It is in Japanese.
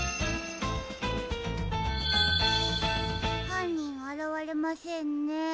はんにんあらわれませんね。